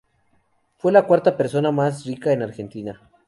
Fue la cuarta persona más rica en Argentina.